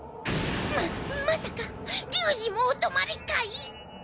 ままさか龍二もお泊まり会？